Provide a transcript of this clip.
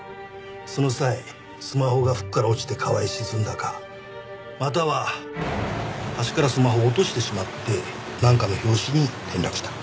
その際スマホが服から落ちて川へ沈んだかまたは橋からスマホを落としてしまってなんかの拍子に転落した。